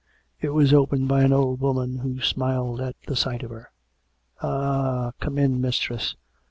It was opened by an old woman who smiled at the sight of her. " Eh ! come in, mistress.